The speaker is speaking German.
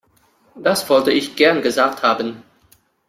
Das wollte ich gern gesagt haben.